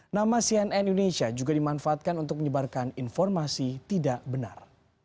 nama cnn indonesia juga dimanfaatkan untuk menyebarkan informasi tidak benar